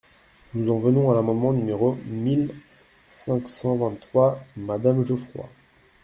Nous en venons à l’amendement numéro mille cinq cent vingt-trois, madame Geoffroy.